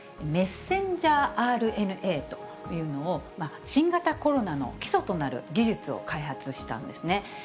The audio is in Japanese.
ｍＲＮＡというのを、新型コロナの基礎となる技術を開発したんですね。